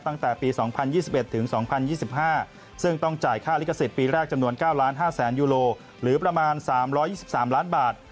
ตั้งแต่ปี๒๐๒๑ถึง๒๐๒๕ซึ่งต้องจ่ายค่าลิขสิทธิ์ปีแรกจำนวน๙๕๐๐๐ยูโลหรือประมาณ๓๒๓ล้านบาท